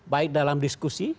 baik dalam diskusi